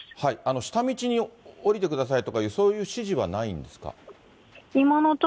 下道に降りてくださいとかいう、そういう指示はないんですか。